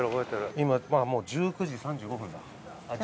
今もう１９時３５分だ。